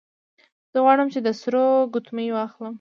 زه غواړم چې د سرو ګوتمۍ واخلم